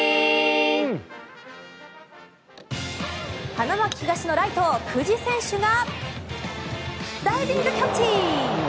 花巻東のライト久慈選手がダイビングキャッチ！